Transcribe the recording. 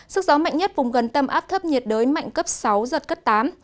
sức gió mạnh nhất vùng gần tâm áp thấp nhiệt đới mạnh cấp sáu giật cấp tám